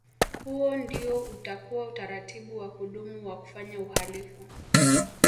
Huo ndio utakuwa utaratibu wa kudumu wa kufanya uhalifu